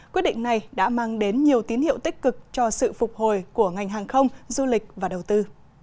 quyết định này đã mang đến nhiều tín hiệu tích cực cho sự phục hồi của ngành hàng không du lịch và đầu tư